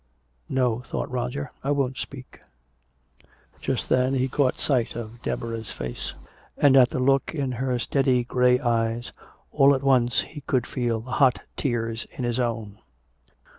"No," thought Roger, "I won't speak." Just then he caught sight of Deborah's face, and at the look in her steady gray eyes all at once he could feel the hot tears in his own.